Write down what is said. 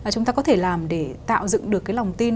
chúng ta có thể làm để tạo dựng được cái lòng tin